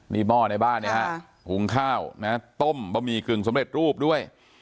นี่หม้อในบ้านเนี่ยฮะหุงข้าวนะต้มบะหมี่กึ่งสำเร็จรูปด้วย